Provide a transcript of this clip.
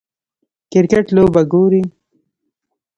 کریکټ لوبه ګورئ